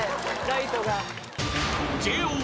ライトが。